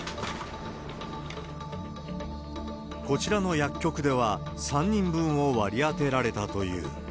こちらの薬局では、３人分を割り当てられたという。